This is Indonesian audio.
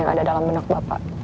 yang ada dalam benak bapak